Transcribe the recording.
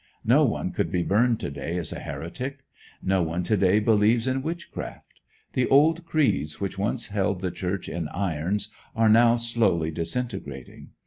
No one could be burned to day as a heretic. No one to day believes in witchcraft. The old creeds which once held the Church in irons are now slowly disintegrating.